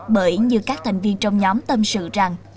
bởi như các thành viên trong nhóm tâm sự rằng